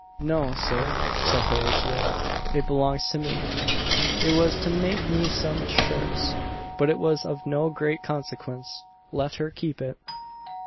"No, Sir," said Horatio, "it belongs to me. It was to make me some shirts. But it is of no great consequence let her keep it!"